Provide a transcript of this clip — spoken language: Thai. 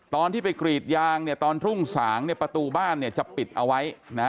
ตอนที่ไปกรีดยางเนี่ยตอนรุ่งสางเนี่ยประตูบ้านเนี่ยจะปิดเอาไว้นะ